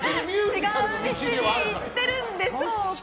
違う道行ってるんでしょうか。